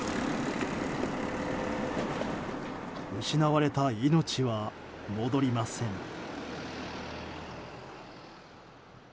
失われた命は戻りません。